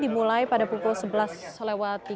kemudian masuk dalam kosan